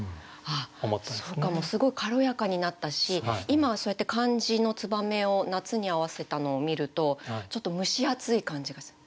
すごい軽やかになったし今はそうやって漢字の「燕」を「夏」に合わせたのを見るとちょっと蒸し暑い感じがする。